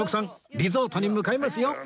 リゾートに向かいますよ